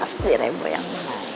pasti reboy yang menang